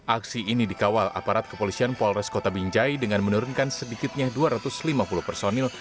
aksi ini dikawal aparat kepolisian polres kota binjai dengan menurunkan sedikitnya dua ratus lima puluh personil